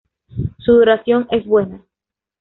Su duración es buena.